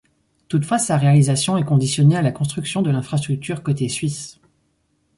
Toutefois sa réalisation est conditionnée à la construction de l'infrastructure côté suisse.